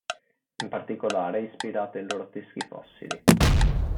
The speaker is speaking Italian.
In particolare è ispirato ai loro teschi fossili.